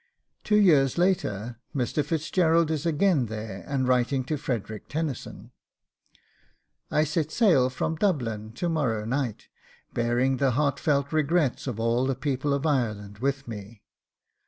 Two years later Mr. Fitzgerald is again there and writing to Frederick Tennyson: 'I set sail from Dublin to morrow night, bearing the heartfelt regrets of all the people of Ireland with me.